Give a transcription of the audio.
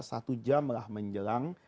satu jam lah menjelang